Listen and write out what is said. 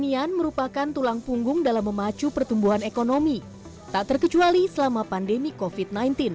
pertanian merupakan tulang punggung dalam memacu pertumbuhan ekonomi tak terkecuali selama pandemi covid sembilan belas